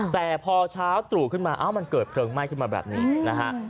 แต่พอเช้าตรู่ขึ้นมาเอ้ามันเกิดเพลิงไหม้ขึ้นมาแบบนี้นะฮะ